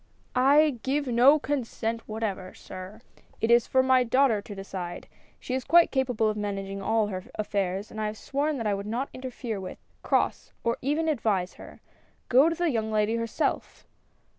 "I give no consent w^hatever, sir; it is for my daughter to decide. She is quite capable of managing all her affairs, and I have sworn that I would not inter fere with, — cross, — or even advise her. Go to the young lady herself